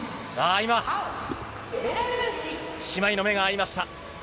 今、姉妹の目が合いました。